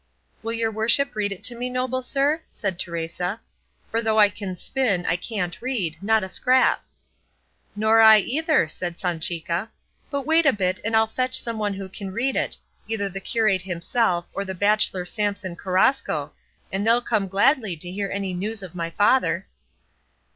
"Will your worship read it to me, noble sir?" said Teresa; "for though I can spin I can't read, not a scrap." "Nor I either," said Sanchica; "but wait a bit, and I'll go and fetch some one who can read it, either the curate himself or the bachelor Samson Carrasco, and they'll come gladly to hear any news of my father."